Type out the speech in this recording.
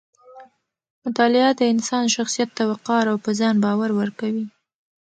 مطالعه د انسان شخصیت ته وقار او په ځان باور ورکوي.